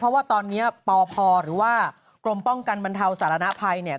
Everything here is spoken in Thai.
เพราะว่าตอนนี้ปพหรือว่ากรมป้องกันบรรเทาสารณภัยเนี่ย